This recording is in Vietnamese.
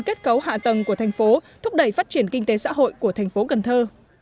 kết cấu hạ tầng của thành phố thúc đẩy phát triển kinh tế xã hội của thành phố cần thơ